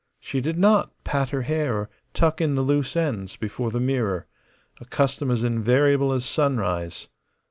She did not pat her hair or tuck in the loose ends before the mirror a custom as invariable as sunrise.